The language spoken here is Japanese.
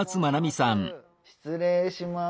失礼します。